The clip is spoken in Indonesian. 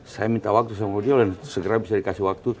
saya minta waktu sama beliau dan segera bisa dikasih waktu